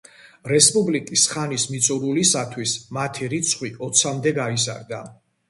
რესპუბლიკის ხანის მიწურულისათვის მათი რიცხვი ოცამდე გაიზარდა.